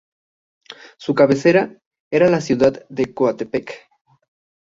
Su cabecera era la ciudad de Coatepec.